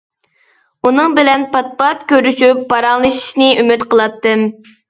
ئۇنىڭ بىلەن پات-پات كۆرۈشۈپ، پاراڭلىشىشنى ئۈمىد قىلاتتىم.